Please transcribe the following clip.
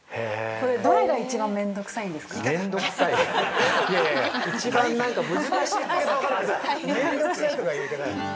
◆これ、どれが一番面倒くさいんですか。